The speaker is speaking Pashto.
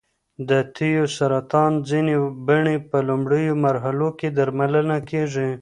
د تیو سرطان ځینې بڼې په لومړیو مرحلو کې درملنه کېږي.